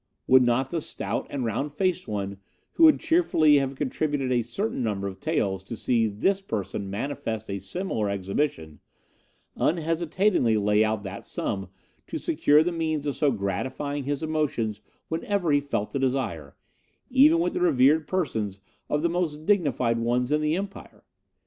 Would not the stout and round faced one, who would cheerfully have contributed a certain number of taels to see this person manifest a similar exhibition, unhesitatingly lay out that sum to secure the means of so gratifying his emotions whenever he felt the desire, even with the revered persons of the most dignified ones in the Empire?